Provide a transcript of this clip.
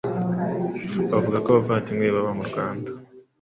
bavuga ko abavandimwe be baba mu Rwanda.